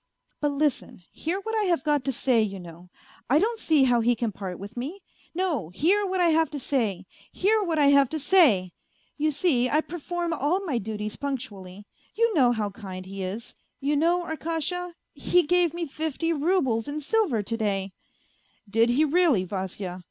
" But listen, hear what I have got to say you know, I don't see how he can part with me. ... No, hear what I have to say ! M 162 A FAINT HEART hear what I have to say ! You see, I perform all my duties punctually; you know how kind he is, you know, Arkasha, he gave me fifty roubles in silver to day 1 "" Did he really, Vasya